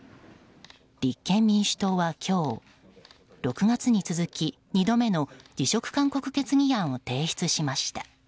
立憲民主党は今日６月に続き２度目の辞職勧告決議案を提出しました。